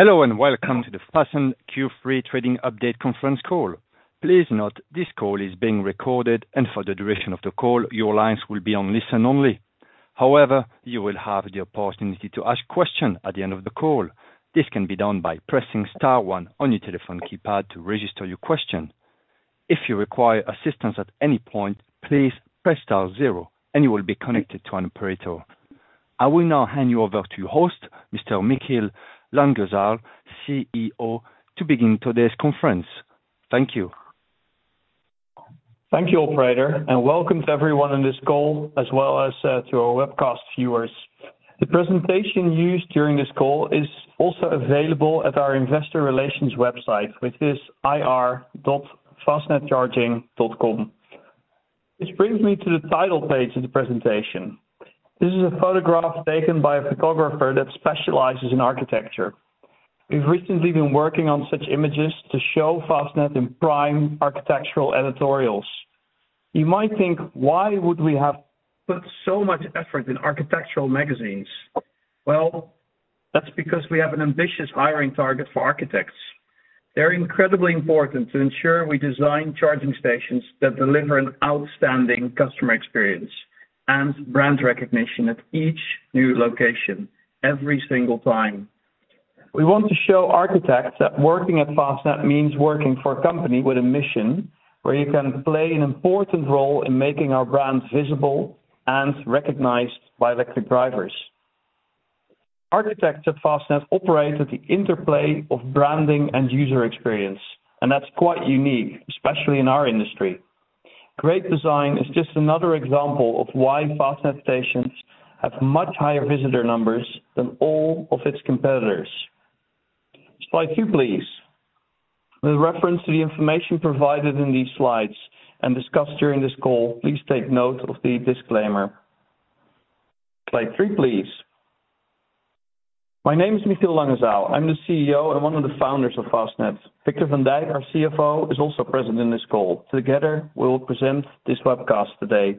Hello, and welcome to the Fastned Q3 trading update conference call. Please note, this call is being recorded, and for the duration of the call, your lines will be on listen-only. However, you will have the opportunity to ask questions at the end of the call. This can be done by pressing star one on your telephone keypad to register your question. If you require assistance at any point, please press star zero, and you will be connected to an operator. I will now hand you over to your host, Mr. Michiel Langezaal, CEO, to begin today's conference. Thank you. Thank you, operator, and welcome to everyone on this call, as well as to our webcast viewers. The presentation used during this call is also available at our investor relations website, which is ir.fastnedcharging.com. This brings me to the title page of the presentation. This is a photograph taken by a photographer that specializes in architecture. We've recently been working on such images to show Fastned in prime architectural editorials. You might think, why would we have put so much effort in architectural magazines? Well, that's because we have an ambitious hiring target for architects. They're incredibly important to ensure we design charging stations that deliver an outstanding customer experience and brand recognition at each new location, every single time. We want to show architects that working at Fastned means working for a company with a mission, where you can play an important role in making our brand visible and recognized by electric drivers. Architects at Fastned operate at the interplay of branding and user experience, and that's quite unique, especially in our industry. Great design is just another example of why Fastned stations have much higher visitor numbers than all of its competitors. Slide two, please. With reference to the information provided in these slides and discussed during this call, please take note of the disclaimer. Slide three, please. My name is Michiel Langezaal. I'm the CEO and one of the founders of Fastned. Victor van Dijk, our CFO, is also present in this call. Together, we will present this webcast today.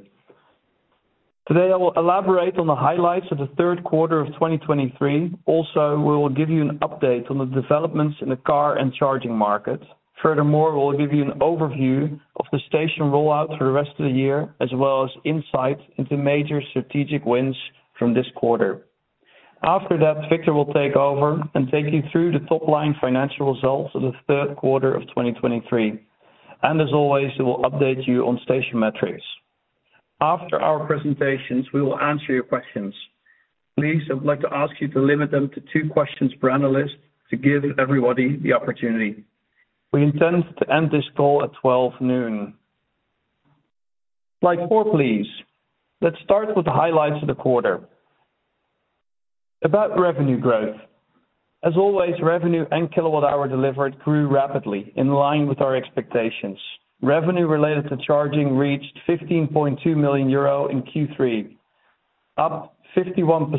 Today, I will elaborate on the highlights of the Q3 of 2023. Also, we will give you an update on the developments in the car and charging market. Furthermore, we'll give you an overview of the station rollout for the rest of the year, as well as insight into major strategic wins from this quarter. After that, Victor will take over and take you through the top-line financial results of the Q3 of 2023. As always, we will update you on station metrics. After our presentations, we will answer your questions. Please, I would like to ask you to limit them to two questions per analyst to give everybody the opportunity. We intend to end this call at 12:00 noon. Slide four, please. Let's start with the highlights of the quarter. About revenue growth. As always, revenue and kilowatt hour delivered grew rapidly, in line with our expectations. Revenue related to charging reached 15.2 million euro in Q3, up 51%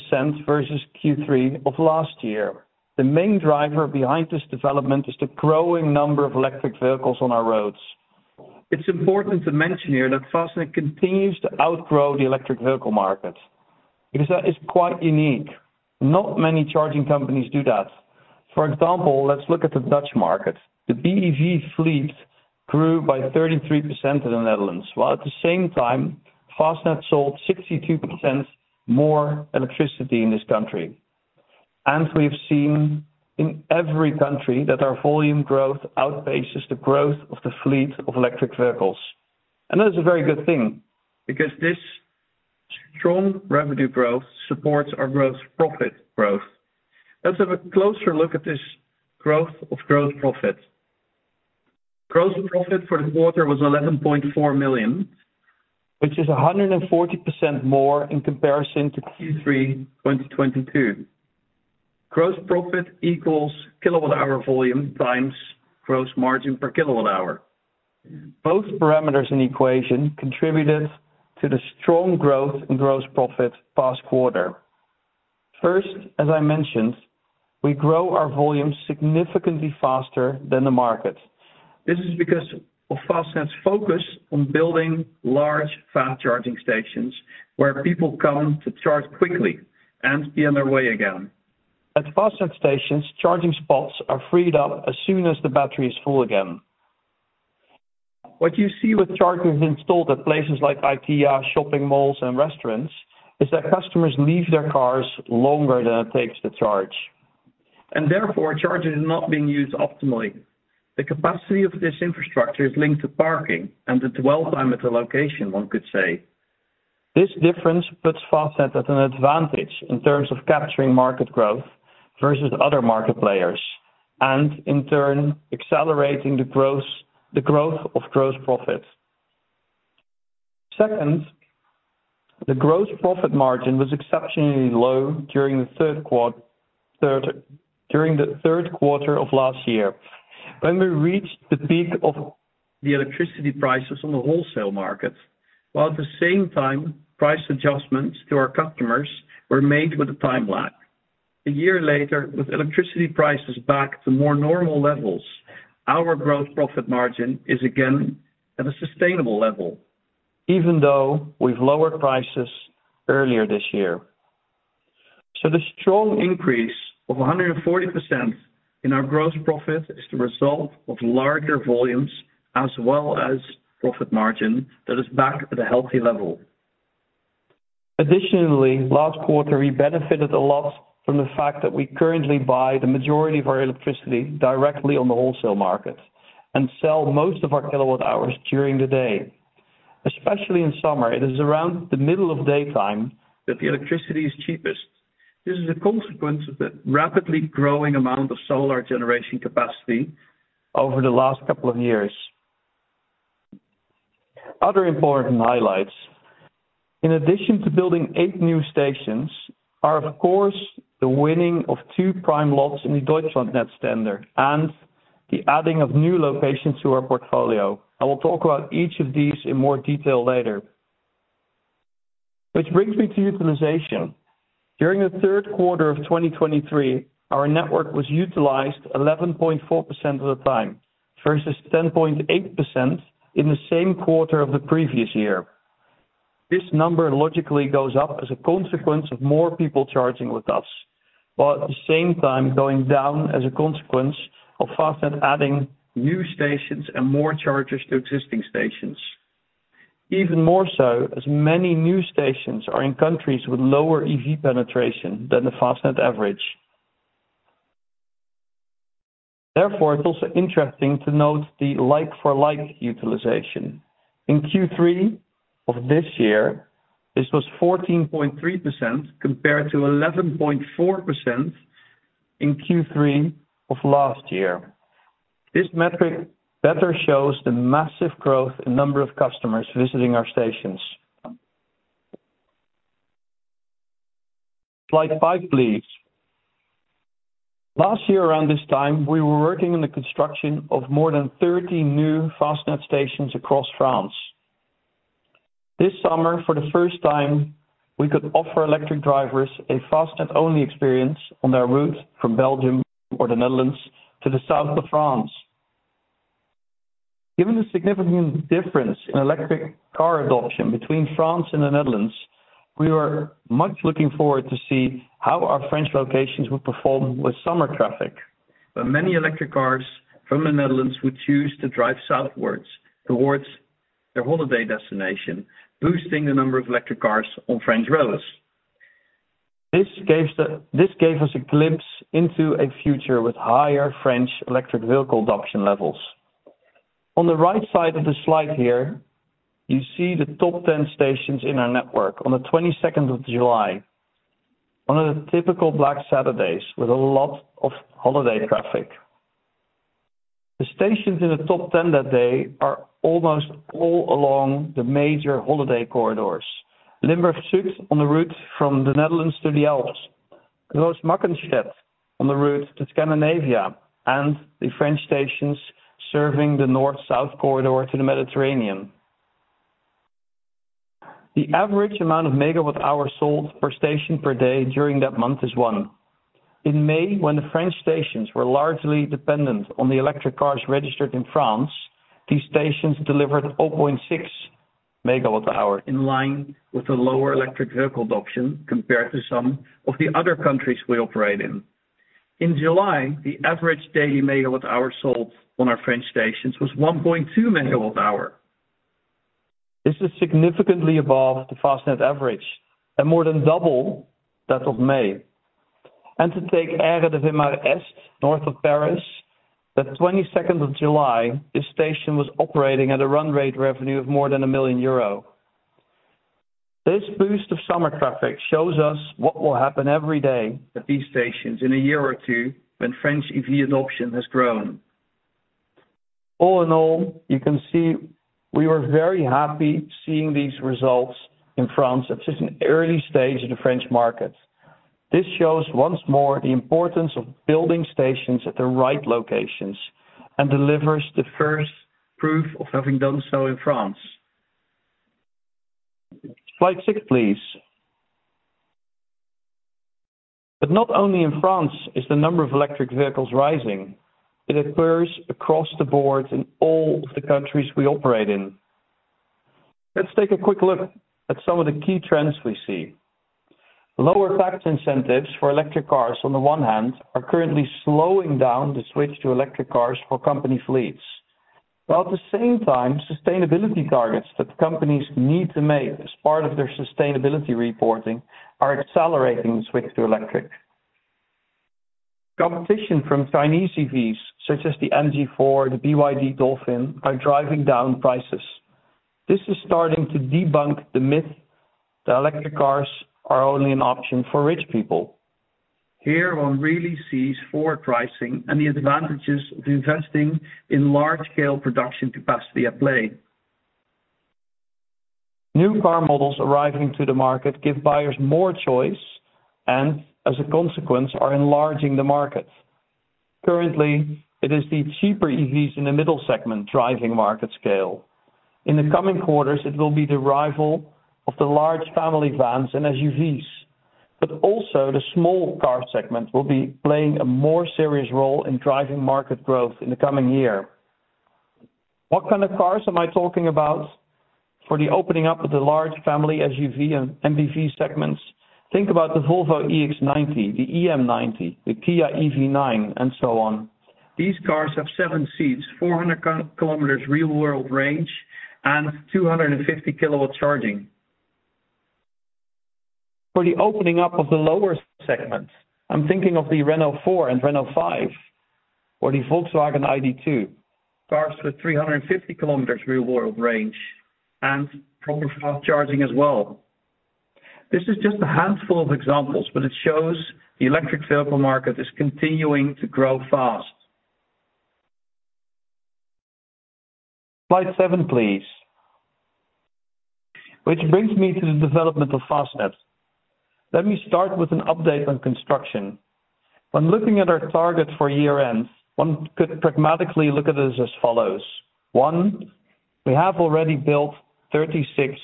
versus Q3 of last year. The main driver behind this development is the growing number of electric vehicles on our roads. It's important to mention here that Fastned continues to outgrow the electric vehicle market. Because that is quite unique. Not many charging companies do that. For example, let's look at the Dutch market. The BEV fleet grew by 33% in the Netherlands, while at the same time, Fastned sold 62% more electricity in this country. We've seen in every country that our volume growth outpaces the growth of the fleet of electric vehicles. That is a very good thing, because this strong revenue growth supports our growth, profit growth. Let's have a closer look at this growth of gross profit. Gross profit for the quarter was 11.4 million, which is 140% more in comparison to Q3 2022. Gross profit equals kilowatt hour volume times gross margin per kilowatt hour. Both parameters in the equation contributed to the strong growth in gross profit last quarter. First, as I mentioned, we grow our volumes significantly faster than the market. This is because of Fastned's focus on building large, fast charging stations, where people come to charge quickly and be on their way again. At Fastned stations, charging spots are freed up as soon as the battery is full again. What you see with chargers installed at places like IKEA, shopping malls, and restaurants, is that customers leave their cars longer than it takes to charge, and therefore, charging is not being used optimally. The capacity of this infrastructure is linked to parking and the dwell time at the location, one could say. This difference puts Fastned at an advantage in terms of capturing market growth versus other market players and in turn, accelerating the growth of gross profit. Second, the gross profit margin was exceptionally low during the Q3 of last year, when we reached the peak of the electricity prices on the wholesale market, while at the same time, price adjustments to our customers were made with a time lag. A year later, with electricity prices back to more normal levels, our gross profit margin is again at a sustainable level, even though we've lowered prices earlier this year. The strong increase of 140% in our gross profit is the result of larger volumes as well as profit margin that is back at a healthy level. Additionally, last quarter, we benefited a lot from the fact that we currently buy the majority of our electricity directly on the wholesale market and sell most of our kilowatt hours during the day. Especially in summer, it is around the middle of daytime that the electricity is cheapest. This is a consequence of the rapidly growing amount of solar generation capacity over the last couple of years. Other important highlights, in addition to building eight new stations, are, of course, the winning of two prime lots in the Deutschlandnetz tender and the adding of new locations to our portfolio. I will talk about each of these in more detail later. Which brings me to utilization. During the Q3 of 2023, our network was utilized 11.4% of the time, versus 10.8% in the same quarter of the previous year. This number logically goes up as a consequence of more people charging with us, while at the same time going down as a consequence of Fastned adding new stations and more chargers to existing stations. Even more so, as many new stations are in countries with lower EV penetration than the Fastned average. Therefore, it's also interesting to note the like-for-like utilization. In Q3 of this year, this was 14.3%, compared to 11.4% in Q3 of last year. This metric better shows the massive growth in number of customers visiting our stations. Slide five, please. Last year, around this time, we were working on the construction of more than 13 new Fastned stations across France. This summer, for the first time, we could offer electric drivers a Fastned-only experience on their route from Belgium or the Netherlands to the south of France. Given the significant difference in electric car adoption between France and the Netherlands, we were much looking forward to see how our French locations would perform with summer traffic, where many electric cars from the Netherlands would choose to drive southwards towards their holiday destination, boosting the number of electric cars on French roads. This gave us a glimpse into a future with higher French electric vehicle adoption levels. On the right side of the slide here, you see the top 10 stations in our network on the 22nd of July, on a typical black Saturdays with a lot of holiday traffic. The stations in the top 10 that day are almost all along the major holiday corridors. Limburg Zuid, on the route from the Netherlands to the Alps. Groot-Maartensdijk, on the route to Scandinavia, and the French stations serving the north-south corridor to the Mediterranean. The average amount of MWh sold per station per day during that month is 1. In May, when the French stations were largely dependent on the electric cars registered in France, these stations delivered 0.6 MWh, in line with the lower electric vehicle adoption, compared to some of the other countries we operate in. In July, the average daily MWh sold on our French stations was 1.2 MWh. This is significantly above the Fastned average and more than double that of May. To take Aire de Vimoutiers, north of Paris, the 22nd of July, this station was operating at a run rate revenue of more than 1 million euro. This boost of summer traffic shows us what will happen every day at these stations in a year or two, when French EV adoption has grown. All in all, you can see we were very happy seeing these results in France at such an early stage in the French market. This shows once more the importance of building stations at the right locations and delivers the first proof of having done so in France. Slide six, please. Not only in France is the number of electric vehicles rising, it occurs across the board in all of the countries we operate in. Let's take a quick look at some of the key trends we see. Lower tax incentives for electric cars, on the one hand, are currently slowing down the switch to electric cars for company fleets, while at the same time, sustainability targets that companies need to make as part of their sustainability reporting are accelerating the switch to electric. Competition from Chinese EVs, such as the MG4, the BYD Dolphin, are driving down prices. This is starting to debunk the myth that electric cars are only an option for rich people. Here, one really sees Ford pricing and the advantages of investing in large-scale production capacity at play. New car models arriving to the market give buyers more choice and, as a consequence, are enlarging the market. Currently, it is the cheaper EVs in the middle segment, driving market scale. In the coming quarters, it will be the arrival of the large family vans and SUVs, but also the small car segment will be playing a more serious role in driving market growth in the coming year. What kind of cars am I talking about for the opening up of the large family SUV and MPV segments? Think about the Volvo EX90, the EM90, the Kia EV9, and so on. These cars have seven seats, 400 km real-world range, and 250 kW charging. For the opening up of the lower segments, I'm thinking of the Renault 4 and Renault 5, or the Volkswagen ID. 2, cars with 350 km real-world range and proper fast charging as well. This is just a handful of examples, but it shows the electric vehicle market is continuing to grow fast. Slide seven, please. Which brings me to the development of Fastned. Let me start with an update on construction. When looking at our target for year-end, one could pragmatically look at this as follows: One, we have already built 36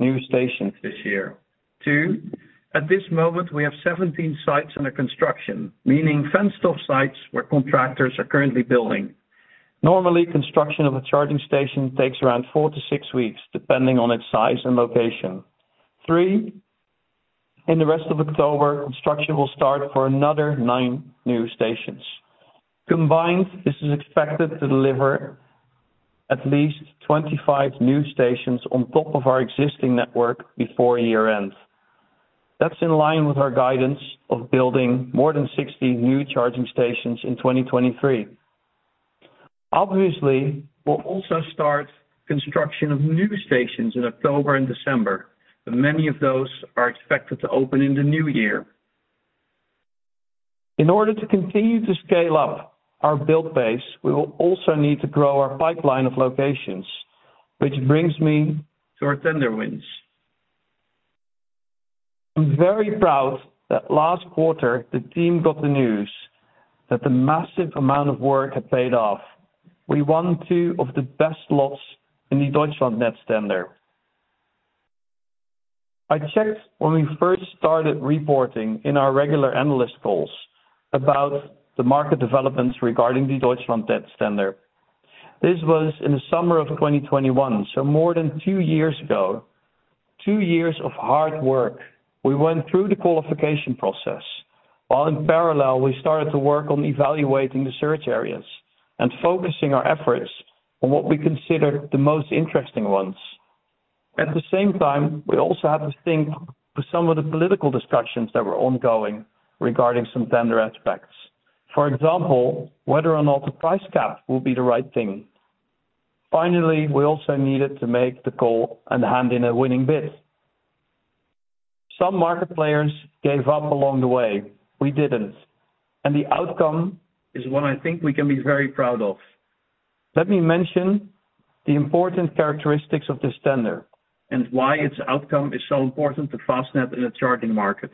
new stations this year. Two, at this moment, we have 17 sites under construction, meaning fenced-off sites where contractors are currently building. Normally, construction of a charging station takes around 4-6 weeks, depending on its size and location. Three, in the rest of October, construction will start for another nine new stations. Combined, this is expected to deliver at least 25 new stations on top of our existing network before year-end. That's in line with our guidance of building more than 60 new charging stations in 2023. Obviously, we'll also start construction of new stations in October and December, but many of those are expected to open in the new year. In order to continue to scale up our build base, we will also need to grow our pipeline of locations, which brings me to our tender wins. I'm very proud that last quarter, the team got the news that the massive amount of work had paid off. We won 2 of the best lots in the Deutschlandnetz tender. I checked when we first started reporting in our regular analyst calls about the market developments regarding the Deutschlandnetz tender. This was in the summer of 2021, so more than two years ago, two years of hard work. We went through the qualification process, while in parallel, we started to work on evaluating the search areas and focusing our efforts on what we consider the most interesting ones. At the same time, we also had to think for some of the political discussions that were ongoing regarding some tender aspects. For example, whether or not the price cap will be the right thing. Finally, we also needed to make the call and hand in a winning bid. Some market players gave up along the way. We didn't, and the outcome is one I think we can be very proud of. Let me mention the important characteristics of this tender and why its outcome is so important to Fastned in the charging market.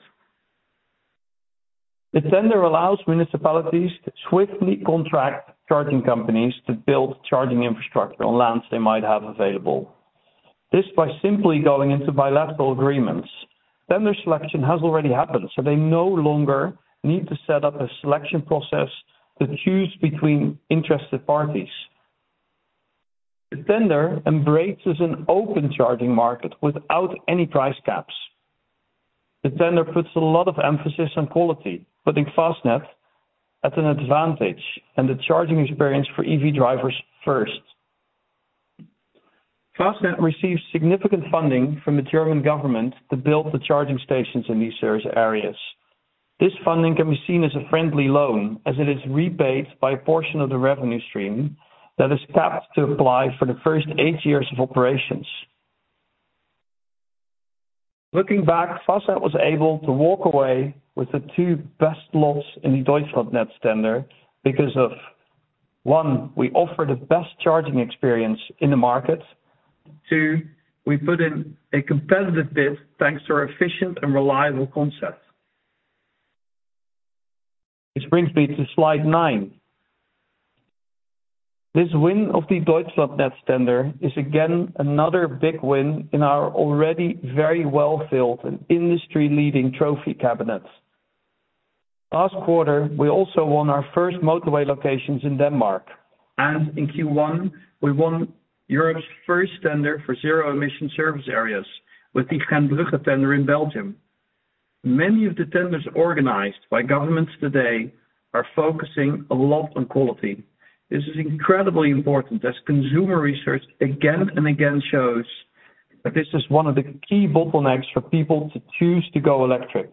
The tender allows municipalities to swiftly contract charging companies to build charging infrastructure on lands they might have available. This, by simply going into bilateral agreements. Tender selection has already happened, so they no longer need to set up a selection process that choose between interested parties. The tender embraces an open charging market without any price caps. The tender puts a lot of emphasis on quality, putting Fastned at an advantage and the charging experience for EV drivers first. Fastned receives significant funding from the German government to build the charging stations in these service areas. This funding can be seen as a friendly loan, as it is repaid by a portion of the revenue stream that is capped to apply for the first eight years of operations. Looking back, Fastned was able to walk away with the two best lots in the Deutschlandnetz tender because of, one, we offer the best charging experience in the market. Two, we put in a competitive bid, thanks to our efficient and reliable concept. This brings me to slide nine. This win of the Deutschlandnetz tender is, again, another big win in our already very well-filled and industry-leading trophy cabinet. Last quarter, we also won our first motorway locations in Denmark, and in Q1, we won Europe's first tender for zero-emission service areas with the Gent-Bruges tender in Belgium. Many of the tenders organized by governments today are focusing a lot on quality. This is incredibly important, as consumer research again and again shows that this is one of the key bottlenecks for people to choose to go electric,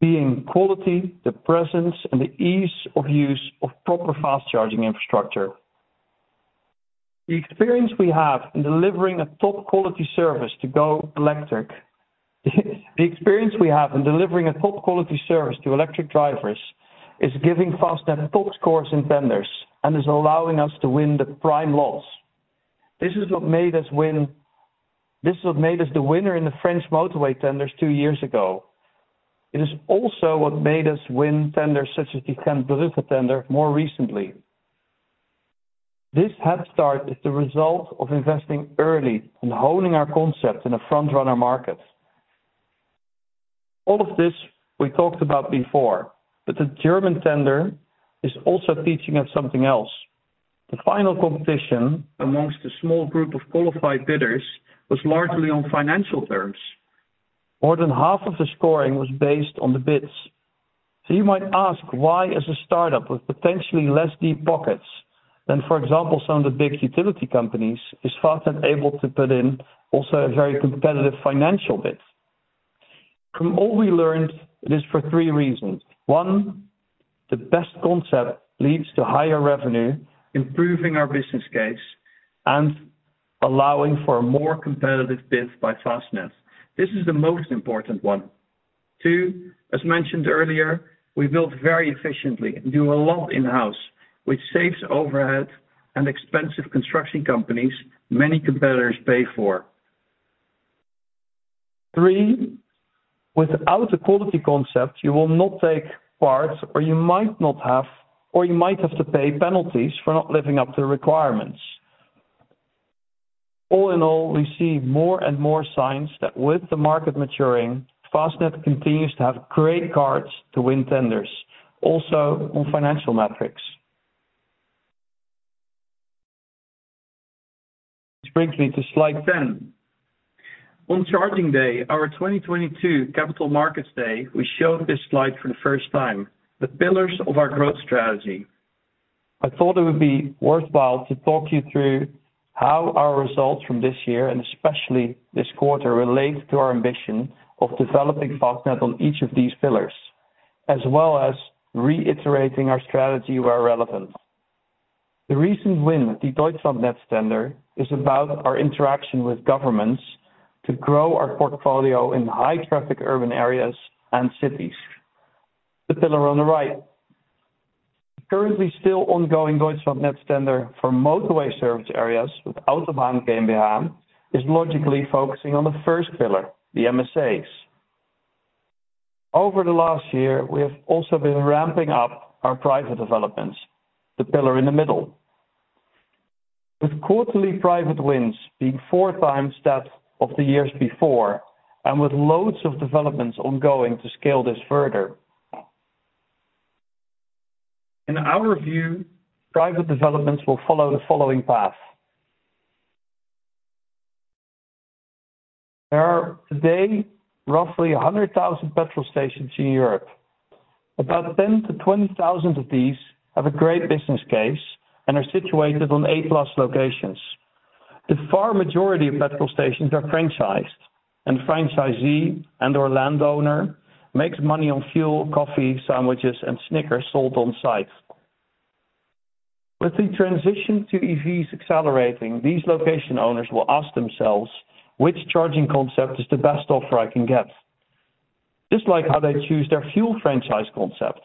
being quality, the presence, and the ease of use of proper fast charging infrastructure. The experience we have in delivering a top-quality service to go electric. The experience we have in delivering a top-quality service to electric drivers is giving Fastned top scores in tenders and is allowing us to win the prime lots. This is what made us the winner in the French motorway tenders two years ago. It is also what made us win tenders such as the Gent-Bruges tender more recently. This head start is the result of investing early and honing our concept in the front-runner markets. All of this we talked about before, but the German tender is also teaching us something else. The final competition amongst a small group of qualified bidders was largely on financial terms. More than half of the scoring was based on the bids. You might ask, why, as a startup with potentially less deep pockets than, for example, some of the big utility companies, is Fastned able to put in also a very competitive financial bid? From all we learned, it is for three reasons. One, the best concept leads to higher revenue, improving our business case and allowing for a more competitive bid by Fastned. This is the most important one. Two, as mentioned earlier, we built very efficiently and do a lot in-house, which saves overhead and expensive construction companies many competitors pay for. Three, without a quality concept, you will not take part, or you might have to pay penalties for not living up to the requirements. All in all, we see more and more signs that with the market maturing, Fastned continues to have great cards to win tenders, also on financial metrics. Which brings me to slide 10. On Charging Day, our 2022 capital markets day, we showed this slide for the first time, the pillars of our growth strategy. I thought it would be worthwhile to talk you through how our results from this year, and especially this quarter, relate to our ambition of developing Fastned on each of these pillars, as well as reiterating our strategy where relevant. The recent win, the Deutschlandnetz tender, is about our interaction with governments to grow our portfolio in high-traffic urban areas and cities. The pillar on the right. Currently still ongoing Deutschlandnetz tender for motorway service areas with Autobahn GmbH, is logically focusing on the first pillar, the MSAs. Over the last year, we have also been ramping up our private developments, the pillar in the middle. With quarterly private wins being 4 times that of the years before, and with loads of developments ongoing to scale this further. In our view, private developments will follow the following path. There are today roughly 100,000 petrol stations in Europe. About 10,000-20,000 of these have a great business case and are situated on A-plus locations. The far majority of petrol stations are franchised, and franchisee and/or landowner makes money on fuel, coffee, sandwiches, and Snickers sold on site. With the transition to EVs accelerating, these location owners will ask themselves, "Which charging concept is the best offer I can get?" Just like how they choose their fuel franchise concept.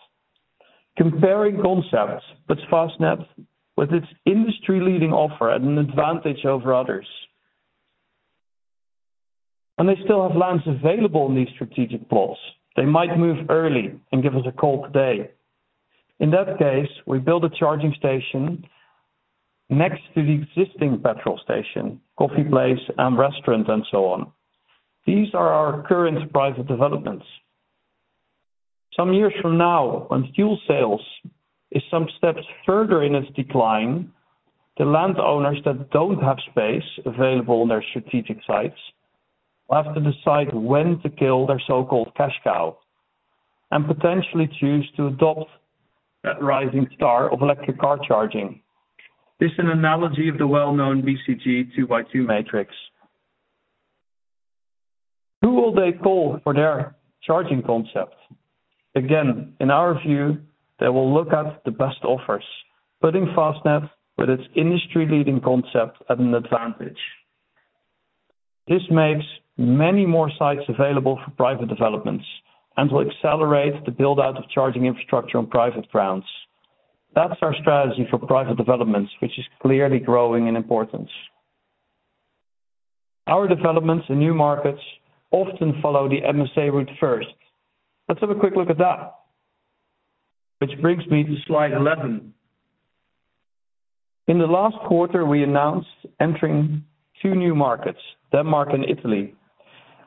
Comparing concepts, but Fastned, with its industry-leading offer, at an advantage over others. They still have lands available in these strategic plots. They might move early and give us a call today. In that case, we build a charging station next to the existing petrol station, coffee place, and restaurant, and so on. These are our current private developments. Some years from now, when fuel sales is some steps further in its decline, the landowners that don't have space available on their strategic sites, will have to decide when to kill their so-called cash cow and potentially choose to adopt that rising star of electric car charging. This is an analogy of the well-known BCG two-by-two matrix. Who will they call for their charging concept? Again, in our view, they will look at the best offers, putting Fastned, with its industry-leading concept, at an advantage. This makes many more sites available for private developments and will accelerate the build-out of charging infrastructure on private grounds. That's our strategy for private developments, which is clearly growing in importance. Our developments in new markets often follow the MSA route first. Let's have a quick look at that, which brings me to slide 11. In the last quarter, we announced entering two new markets, Denmark and Italy.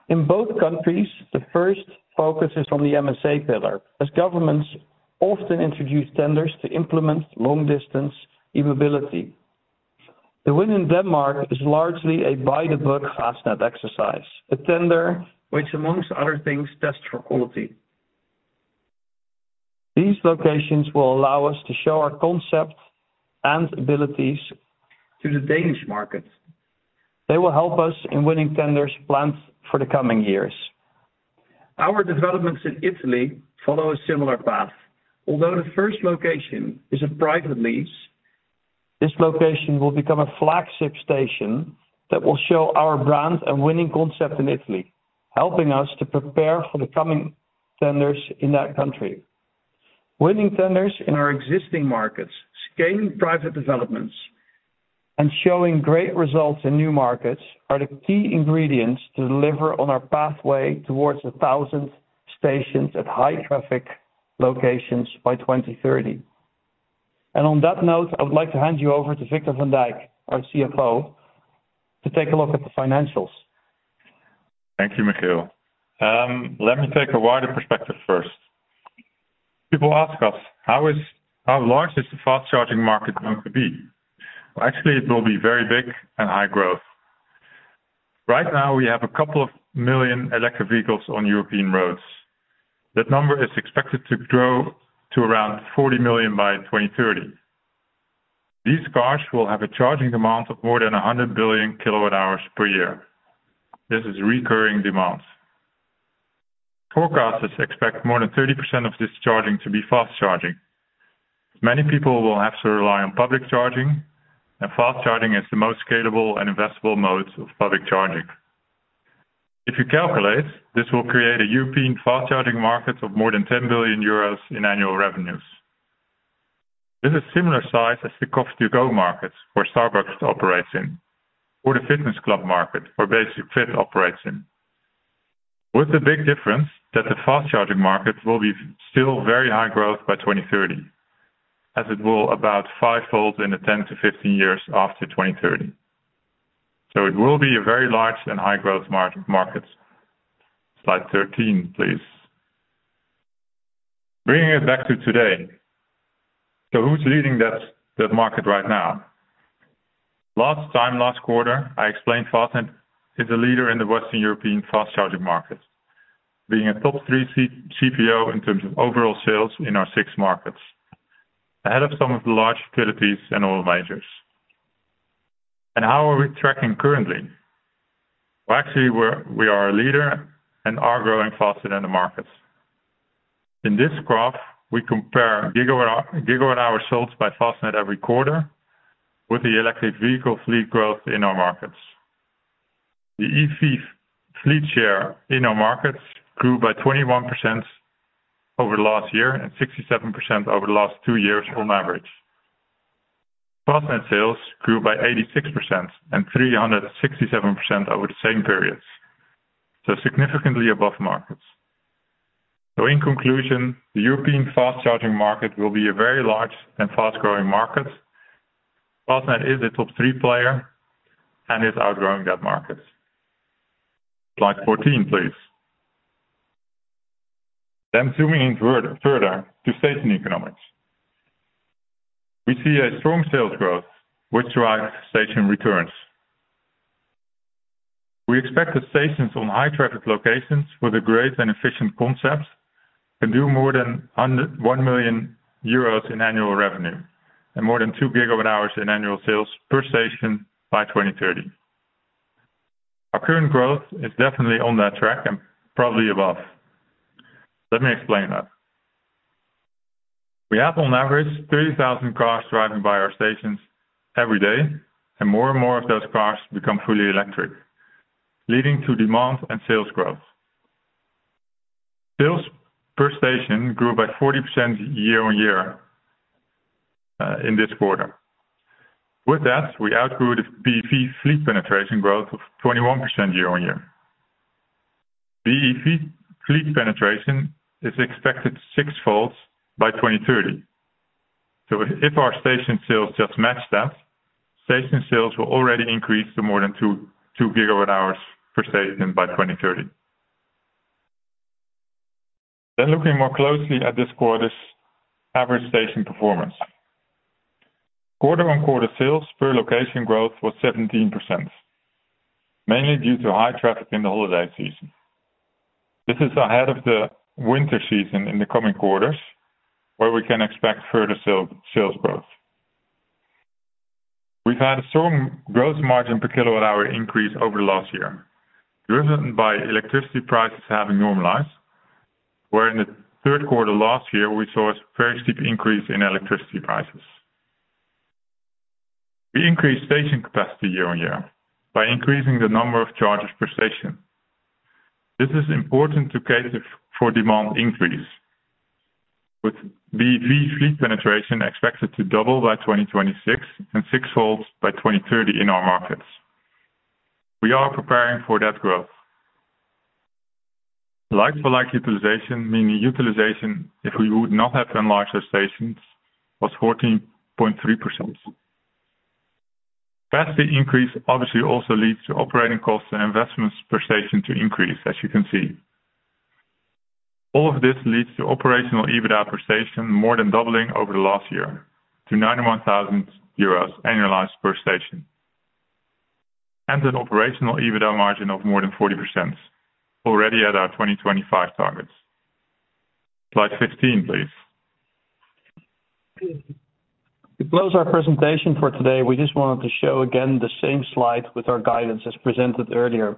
In both countries, the first focus is on the MSA pillar, as governments often introduce tenders to implement long-distance e-mobility. The win in Denmark is largely a by-the-book Fastned exercise, a tender which, among other things, tests for quality. These locations will allow us to show our concept and abilities to the Danish market. They will help us in winning tenders planned for the coming years. Our developments in Italy follow a similar path. Although the first location is a private lease, this location will become a flagship station that will show our brand and winning concept in Italy, helping us to prepare for the coming tenders in that country. Winning tenders in our existing markets, scaling private developments and showing great results in new markets are the key ingredients to deliver on our pathway towards 1,000 stations at high traffic locations by 2030. On that note, I would like to hand you over to Victor van Dijk, our CFO, to take a look at the financials. Thank you, Michiel. Let me take a wider perspective first. People ask us, how large is the fast charging market going to be? Actually, it will be very big and high-growth. Right now, we have a couple of million electric vehicles on European roads. That number is expected to grow to around 40 million by 2030. These cars will have a charging demand of more than 100 billion kWh per year. This is recurring demand. Forecasters expect more than 30% of this charging to be fast charging. Many people will have to rely on public charging, and fast charging is the most scalable and investable mode of public charging. If you calculate, this will create a European fast charging market of more than 10 billion euros in annual revenues. This is similar size as the coffee to go market, where Starbucks operates in, or the fitness club market, where Basic-Fit operates in. With the big difference, that the fast charging market will be still very high growth by 2030, as it will about fivefold in the 10-15 years after 2030. So it will be a very large and high-growth market. Slide 13, please. Bringing it back to today. So who's leading that market right now? Last time, last quarter, I explained Fastned is a leader in the Western European fast charging market, being a top 3 CPO in terms of overall sales in our 6 markets, ahead of some of the large utilities and oil majors. And how are we tracking currently? Well, actually, we are a leader and are growing faster than the markets. In this graph, we compare gigawatt-hour sales by Fastned every quarter with the electric vehicle fleet growth in our markets. The EV fleet share in our markets grew by 21% over the last year and 67% over the last two years on average. Fastned sales grew by 86% and 367% over the same periods, so significantly above markets. So in conclusion, the European fast charging market will be a very large and fast-growing market. Fastned is a top three player and is outgrowing that market. Slide 14, please. Then zooming in further to station economics. We see a strong sales growth, which drives station returns. We expect the stations on high traffic locations with a great and efficient concept can do more than 1 million euros in annual revenue and more than 2 GWh in annual sales per station by 2030. Our current growth is definitely on that track and probably above. Let me explain that. We have, on average, 30,000 cars driving by our stations every day, and more and more of those cars become fully electric, leading to demand and sales growth. Sales per station grew by 40% year-over-year in this quarter. With that, we outgrew the BEV fleet penetration growth of 21% year-over-year. The EV fleet penetration is expected sixfold by 2030. So if our station sales just match that, station sales will already increase to more than 2 GWh per station by 2030. Then looking more closely at this quarter's average station performance. Quarter-on-quarter sales per location growth was 17%, mainly due to high traffic in the holiday season. This is ahead of the winter season in the coming quarters, where we can expect further sales growth. We've had a strong growth margin per kilowatt hour increase over the last year, driven by electricity prices having normalized, where in the Q3 last year, we saw a very steep increase in electricity prices. We increased station capacity year-on-year by increasing the number of charges per station. This is important to cater for demand increase, with the fleet penetration expected to double by 2026 and sixfold by 2030 in our markets. We are preparing for that growth. Like-for-like utilization, meaning utilization, if we would not have enlarged those stations, was 14.3%. Capacity increase obviously also leads to operating costs and investments per station to increase, as you can see. All of this leads to operational EBITDA per station more than doubling over the last year to 91,000 euros annualized per station, and an operational EBITDA margin of more than 40%, already at our 2025 targets. Slide 15, please. To close our presentation for today, we just wanted to show again the same slide with our guidance as presented earlier.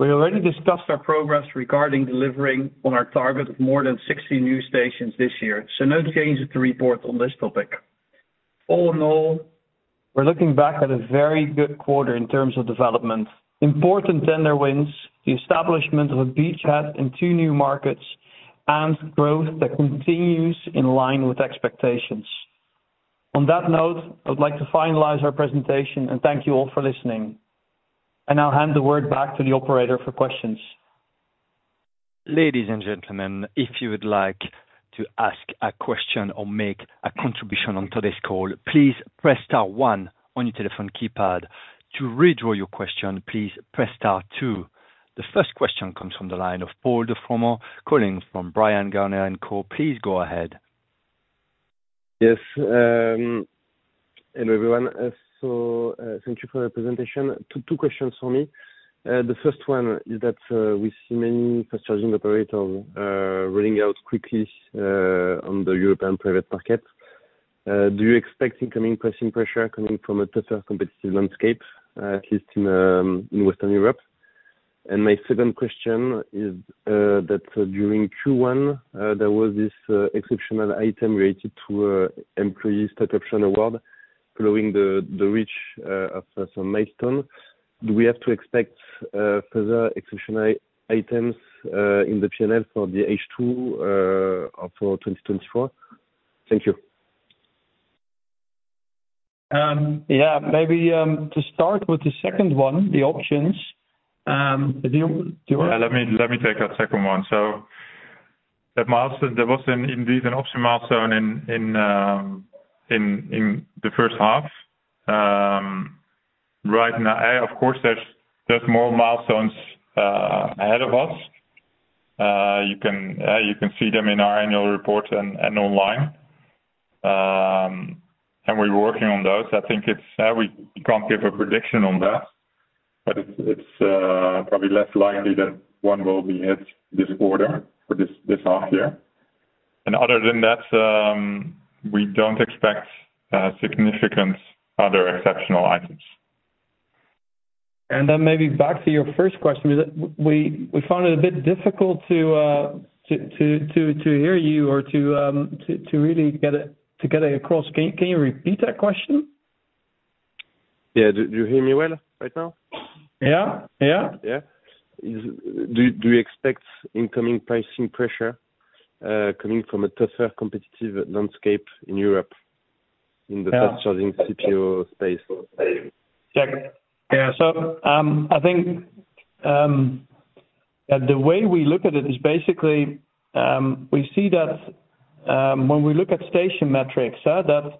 We already discussed our progress regarding delivering on our target of more than 60 new stations this year, so no change to report on this topic. All in all, we're looking back at a very good quarter in terms of development. Important tender wins, the establishment of a beachhead in two new markets, and growth that continues in line with expectations. On that note, I would like to finalize our presentation, and thank you all for listening. I'll hand the word back to the operator for questions. Ladies and gentlemen, if you would like to ask a question or make a contribution on today's call, please press star one on your telephone keypad. To redraw your question, please press star two. The first question comes from the line of Paul de Froment, calling from Bryan, Garnier & Co. Please go ahead. Yes, hello, everyone. Thank you for the presentation. Two questions for me. The first one is that we see many fast charging operators rolling out quickly on the European private market. Do you expect incoming pricing pressure coming from a tougher competitive landscape, at least in Western Europe? My second question is that during Q1, there was this exceptional item related to employee stock option award, following the reach of some milestone. Do we have to expect further exceptional items in the PNL for the H2 of 2024? Thank you. Yeah, maybe to start with the second one, the options, do you, do you- Yeah, let me take that second one. So at milestone, there was indeed an option milestone in the first half. Right now, of course, there's more milestones ahead of us. You can see them in our annual report and online. And we're working on those. I think it's we can't give a prediction on that, but it's probably less likely that one will be hit this quarter for this half year. And other than that, we don't expect significant other exceptional items. And then maybe back to your first question, we found it a bit difficult to hear you or to really get it across. Can you repeat that question? Yeah. Do you hear me well right now? Yeah. Yeah. Yeah. Do you expect incoming pricing pressure coming from a tougher competitive landscape in Europe? Yeah. In the fast charging CPO space? Check. Yeah. So, I think, the way we look at it is basically, we see that, when we look at station metrics, that,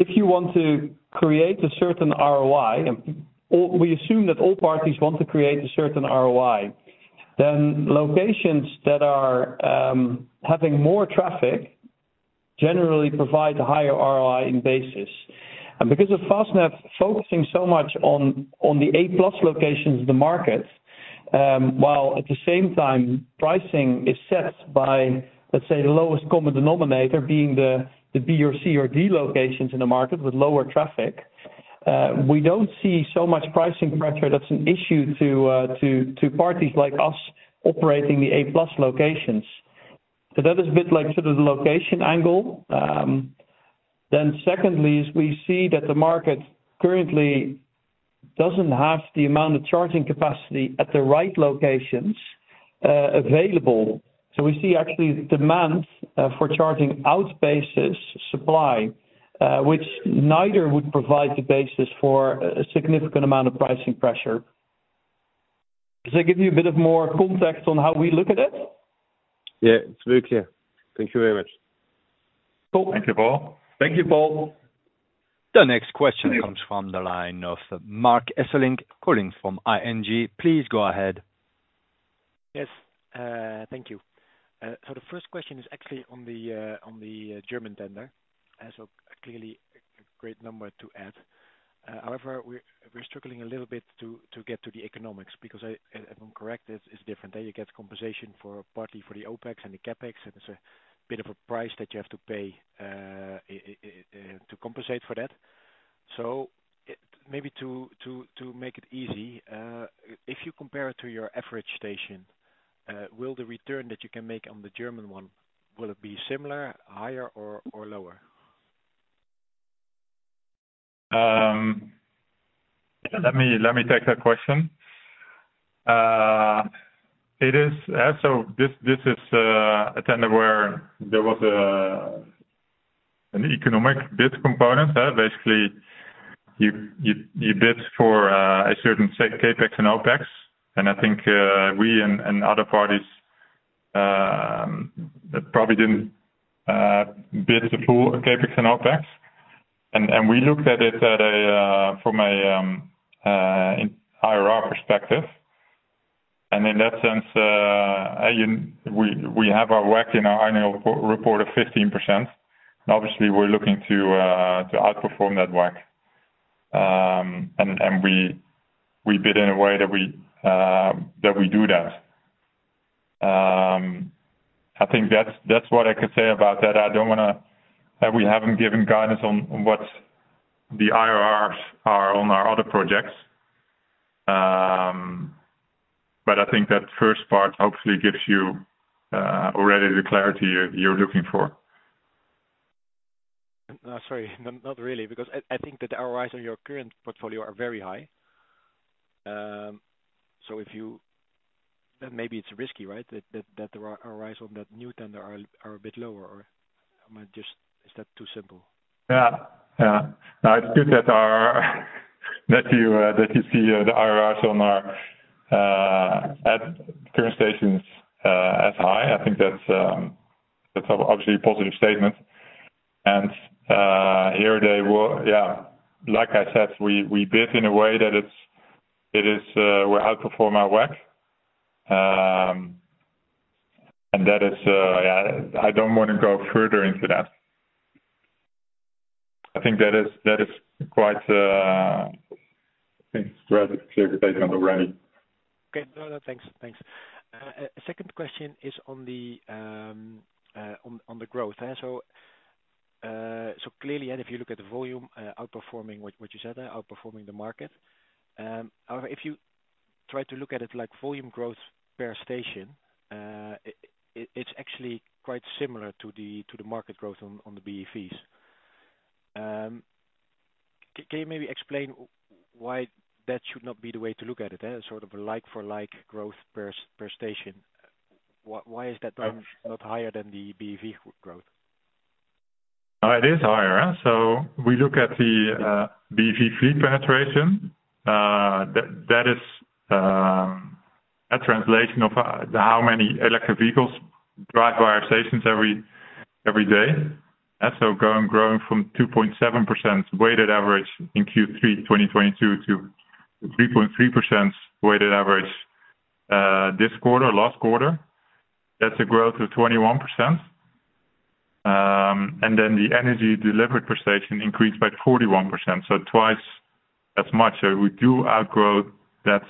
if you want to create a certain ROI, and all, we assume that all parties want to create a certain ROI, then locations that are, having more traffic generally provide a higher ROI in basis. And because of Fastned focusing so much on, the A+ locations of the market, while at the same time, pricing is set by, let's say, the lowest common denominator being the, the B or C or D locations in the market with lower traffic, we don't see so much pricing pressure that's an issue to, to parties like us operating the A+ locations. So that is a bit like sort of the location angle. Then secondly, is we see that the market currently doesn't have the amount of charging capacity at the right locations available. So we see actually demand for charging outpaces supply, which neither would provide the basis for a significant amount of pricing pressure. Does that give you a bit of more context on how we look at it? Yeah, it's very clear. Thank you very much. Cool. Thank you, Paul. Thank you, Paul. The next question comes from the line of Marc Hesselink, calling from ING. Please go ahead. Yes, thank you. So the first question is actually on the German tender, as clearly a great number to add. However, we're struggling a little bit to get to the economics, because if I'm correct, it's different. That you get compensation partly for the OpEx and the CapEx, and it's a bit of a price that you have to pay to compensate for that. So maybe to make it easy, if you compare it to your average station, will the return that you can make on the German one, will it be similar, higher or lower? Let me take that question. It is, this is a tender where there was an economic bid component. Basically, you bid for a certain CapEx and OpEx, and I think we and other parties probably didn't bid the full CapEx and OpEx. We looked at it from an IRR perspective. In that sense, we have our WACC in our annual report of 15%, and obviously, we're looking to outperform that WACC. We bid in a way that we do that. I think that's what I could say about that. I don't wanna—We haven't given guidance on what the IRRs are on our other projects. I think that first part hopefully gives you already the clarity you're looking for. No, sorry, not, not really, because I think that the ROI on your current portfolio are very high. If you, then maybe it's risky, right? That the ROI on that new tender are a bit lower, or am I just-- Is that too simple? Yeah. Yeah. Now, it's good that our, that you, that you see the IRRs on our, at current stations, as high. I think that's, that's obviously a positive statement. And, here they will-- Yeah, like I said, we, we bid in a way that it's, it is, will outperform our WACC. And that is, I don't want to go further into that. I think that is, that is quite, I think, rather clear statement already. Okay. No, no, thanks. Thanks. A second question is on the, on the growth. Clearly, if you look at the volume, outperforming what you said, outperforming the market, if you try to look at it like volume growth per station, it's actually quite similar to the market growth on the BEVs. Can you maybe explain why that should not be the way to look at it, as sort of a like-for-like growth per station? Why is that not higher than the BEV growth? It is higher. So we look at the BEV fleet penetration, that is a translation of how many electric vehicles drive our stations every day. And so growing from 2.7% weighted average in Q3 2022 to 3.3% weighted average this quarter, last quarter, that's a growth of 21%. And then the energy delivered per station increased by 41%, so twice as much. So we do outgrow that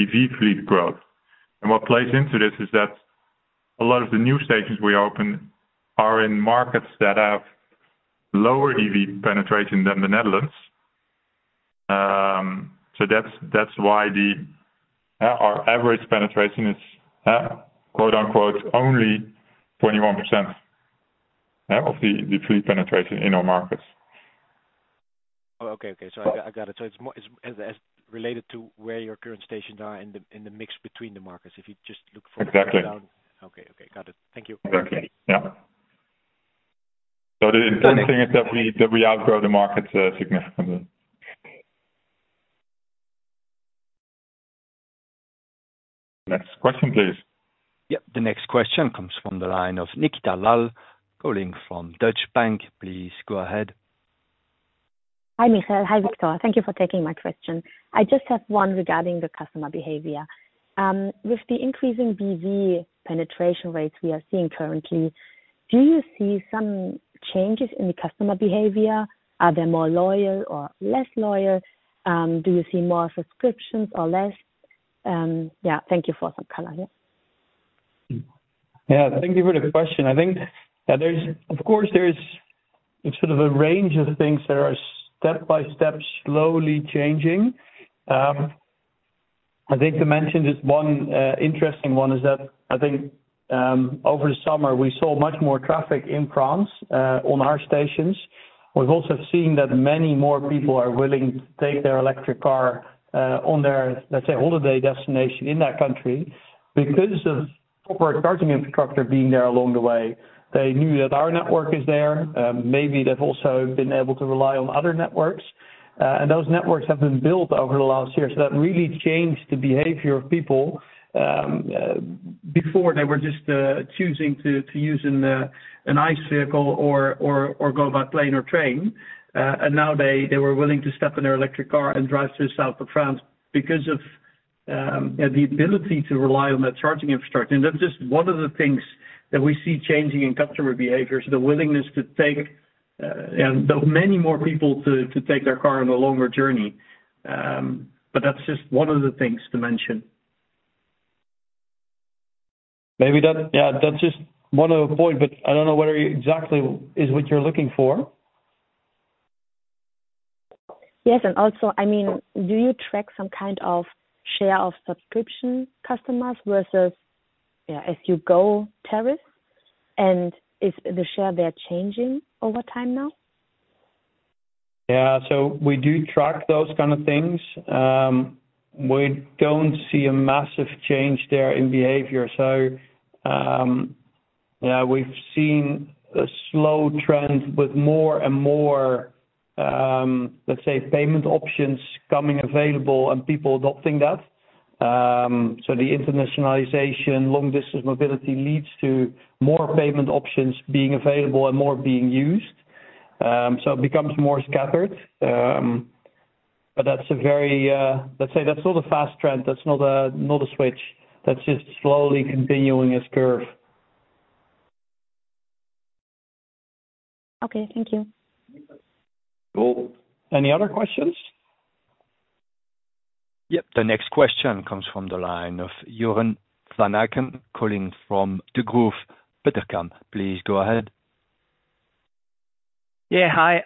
EV fleet growth. And what plays into this is that a lot of the new stations we open are in markets that have lower EV penetration than the Netherlands. So that's why our average penetration is quote-unquote only 21% of the fleet penetration in our markets. Oh, okay. So I got it. So it's more as related to where your current stations are and the mix between the markets, if you just look for- Exactly. Okay, okay, got it. Thank you. Okay. Yeah. So the important thing is that we outgrow the market significantly. Next question, please. Yep. The next question comes from the line of Nikita Lal, calling from Deutsche Bank. Please go ahead. Hi, Michiel. Hi, Victor. Thank you for taking my question. I just have one regarding the customer behavior. With the increasing BEV penetration rates we are seeing currently, do you see some changes in the customer behavior? Are they more loyal or less loyal? Do you see more subscriptions or less? Yeah, thank you for some color here. Yeah, thank you for the question. I think, there's of course, there's sort of a range of things that are step-by-step, slowly changing. I think to mention this one, interesting one is that, I think, over the summer, we saw much more traffic in France, on our stations. We've also seen that many more people are willing to take their electric car, on their, let's say, holiday destination in that country, because of proper charging infrastructure being there along the way. They knew that our network is there. Maybe they've also been able to rely on other networks, and those networks have been built over the last year. So that really changed the behavior of people. Before they were just choosing to use an ICE vehicle or go by plane or train, and now they were willing to step in their electric car and drive to the south of France because of the ability to rely on that charging infrastructure. And that's just one of the things that we see changing in customer behaviors, the willingness to take, and though many more people to take their car on a longer journey. But that's just one of the things to mention. Maybe that, yeah, that's just one other point, but I don't know whether exactly is what you're looking for. Yes, and also, I mean, do you track some kind of share of subscription customers versus, yeah, as you go tariff, and is the share there changing over time now? Yeah, so we do track those kind of things. We don't see a massive change there in behavior. So, yeah, we've seen a slow trend with more and more, let's say, payment options coming available and people adopting that. So the internationalization, long-distance mobility leads to more payment options being available and more being used. So it becomes more scattered. But that's a very, let's say, that's not a fast trend, that's not a switch. That's just slowly continuing its curve. Okay, thank you. Cool. Any other questions? Yep. The next question comes from the line of Joran van Aken, calling from the Degroof Petercam. Please go ahead. Yeah, hi.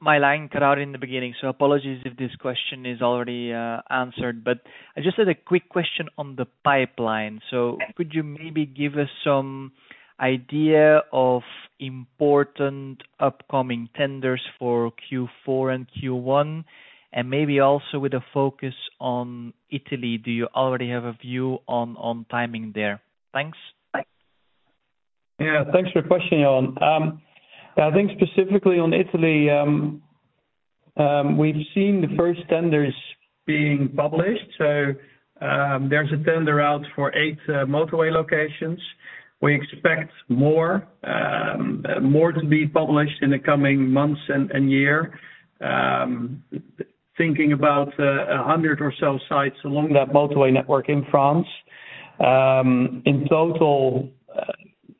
My line cut out in the beginning, so apologies if this question is already answered, but I just had a quick question on the pipeline. So could you maybe give us some idea of important upcoming tenders for Q4 and Q1, and maybe also with a focus on Italy? Do you already have a view on timing there? Thanks. Yeah, thanks for your question, Joran. I think specifically on Italy, we've seen the first tenders being published, so, there's a tender out for 8 motorway locations. We expect more, more to be published in the coming months and year. Thinking about 100 or so sites along that motorway network in France. In total,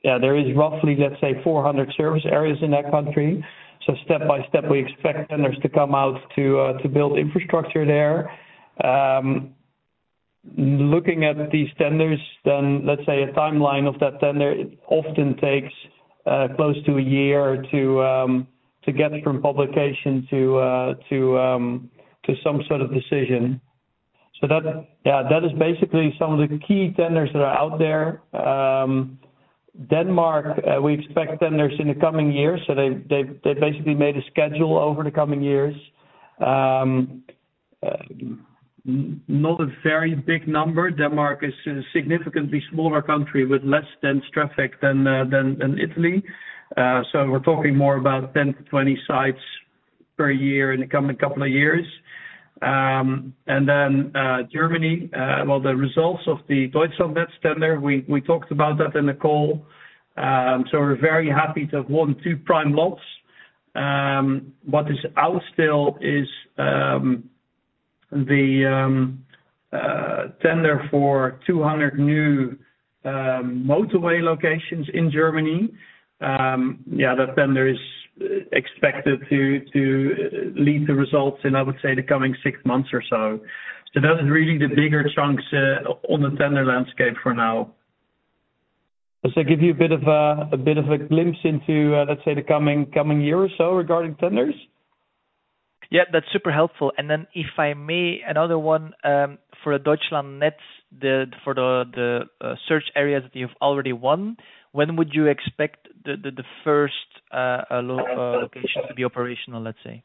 yeah, there is roughly, let's say, 400 service areas in that country. So step by step, we expect tenders to come out to build infrastructure there. Looking at these tenders, then, let's say, a timeline of that tender, it often takes close to a year to get from publication to some sort of decision. So that, yeah, that is basically some of the key tenders that are out there. Denmark, we expect tenders in the coming years, so they've basically made a schedule over the coming years. Not a very big number. Denmark is a significantly smaller country with less dense traffic than Italy. So we're talking more about 10-20 sites per year in the coming couple of years. And then, Germany, well, the results of the Deutschlandnetz tender, we talked about that in the call. So we're very happy to have won two prime lots. What is out still is the tender for 200 new motorway locations in Germany. Yeah, that tender is expected to lead to results in, I would say, the coming six months or so. So that is really the bigger chunks on the tender landscape for now. Does that give you a bit of a glimpse into, let's say, the coming year or so regarding tenders? Yeah, that's super helpful. And then, if I may, another one, for a Deutschlandnetz, the search areas that you've already won, when would you expect the first location to be operational, let's say?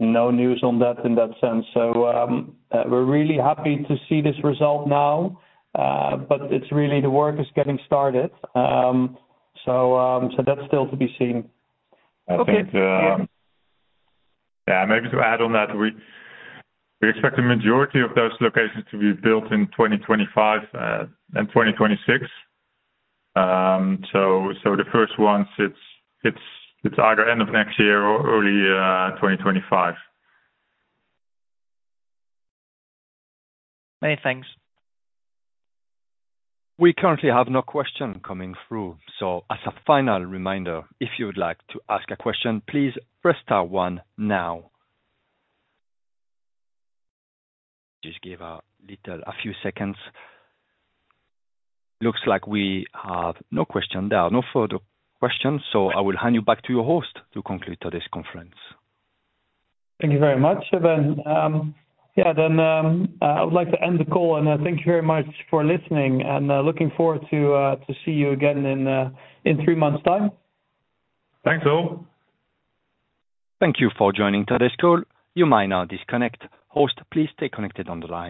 No news on that in that sense. So, we're really happy to see this result now, but it's really the work is getting started. So, that's still to be seen. Okay. I think, yeah, maybe to add on that, we expect the majority of those locations to be built in 2025 and 2026. So, the first ones, it's either end of next year or early 2025. Many thanks. We currently have no question coming through. So as a final reminder, if you would like to ask a question, please press star one now. Just give a little, a few seconds. Looks like we have no question there, no further questions, so I will hand you back to your host to conclude today's conference. Thank you very much. Then, I would like to end the call, and thank you very much for listening, and looking forward to see you again in three months' time. Thanks all. Thank you for joining today's call. You may now disconnect. Host, please stay connected on the line.